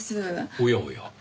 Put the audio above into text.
おやおや。